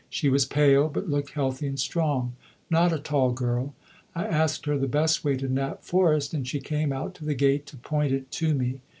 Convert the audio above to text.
She was pale, but looked healthy and strong. Not a tall girl. I asked her the best way to Knapp Forest and she came out to the gate to point it to me.